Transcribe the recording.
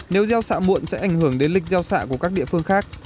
nếu giao xạ muộn sẽ ảnh hưởng đến lịch giao xạ của các địa phương khác